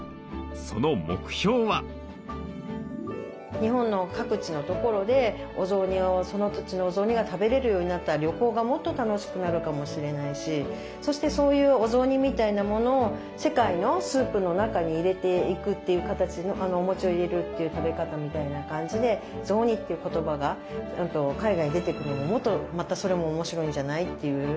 その目標は？日本の各地の所でお雑煮をその土地のお雑煮が食べれるようになったら旅行がもっと楽しくなるかもしれないしそしてそういうお雑煮みたいなものを世界のスープの中に入れていくっていう形のおもちを入れるっていう食べ方みたいな感じで「雑煮」っていう言葉が海外に出て行くのももっとまたそれも面白いんじゃないっていう。